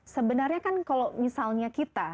sebenarnya kan kalau misalnya kita